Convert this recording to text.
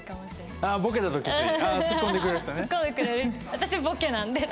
私ボケなんで。